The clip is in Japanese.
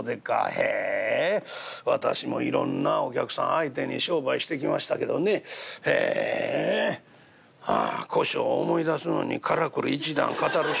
へえ私もいろんなお客さん相手に商売してきましたけどねへえ胡椒を思い出すのにからくり一段語る人。